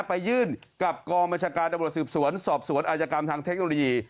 ไปยื่นกับกองบัญชาการตำรวจสืบสวนสอบสวนอาจกรรมทางเทคโนโลยี